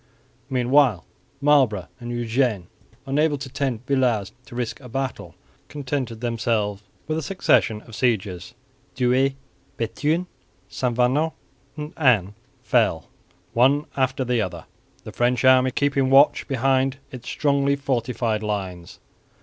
Meanwhile Marlborough and Eugene, unable to tempt Villars to risk a battle, contented themselves with a succession of sieges. Douay, Béthune, St Venant and Aine fell, one after the other, the French army keeping watch behind its strongly fortified lines.